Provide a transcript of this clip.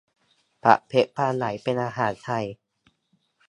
ผัดเผ็ดปลาไหลเป็นอาหารไทย